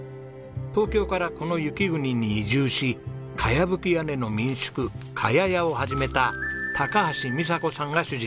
東京からこの雪国に移住し茅葺き屋根の民宿茅屋やを始めた高橋美佐子さんが主人公です。